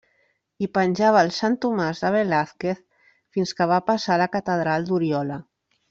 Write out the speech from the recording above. Hi penjava el Sant Tomàs de Velázquez fins que va passar a la catedral d'Oriola.